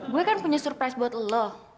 gue kan punya surprise buat allah